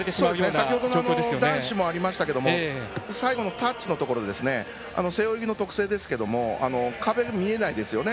先ほど男子もありましたが最後のタッチのところ背泳ぎの特性ですけれども壁、見えないですよね。